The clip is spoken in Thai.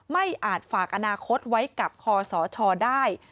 อาจฝากอนาคตไว้กับคอสชได้